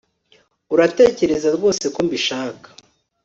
uratekereza rwose ko mbishaka